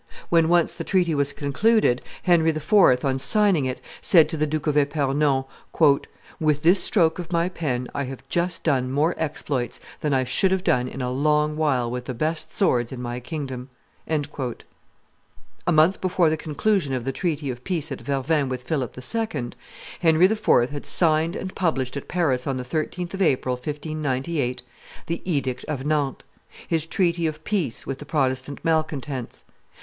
When once the treaty was concluded, Henry IV., on signing it, said to the Duke of Epernon, "With this stroke of my pen I have just done more exploits than I should have done in a long while with the best swords in my kingdom." A month before the conclusion of the treaty of peace at Vervins with Philip II., Henry IV. had signed and published at Paris on the 13th of April, 1598, the edict of Nantes, his treaty of peace with the Protestant malcontents.